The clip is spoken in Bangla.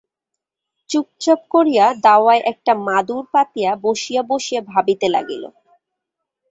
চুপচাপ করিয়া দাওয়ায় একটা মাদুর পাতিয়া বসিয়া বসিয়া ভাবিতে লাগিল।